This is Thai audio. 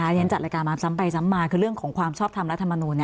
ฉันจัดรายการมาซ้ำไปซ้ำมาคือเรื่องของความชอบทำรัฐมนูล